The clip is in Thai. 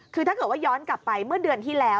คือถ้าเกิดว่าย้อนกลับไปเมื่อเดือนที่แล้ว